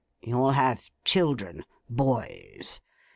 You'll have children—boys.